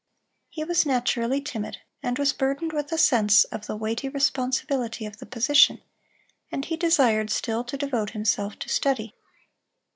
He was naturally timid, and was burdened with a sense of the weighty responsibility of the position, and he desired still to devote himself to study.